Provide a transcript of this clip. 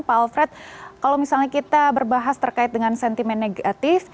pak alfred kalau misalnya kita berbahas terkait dengan sentimen negatif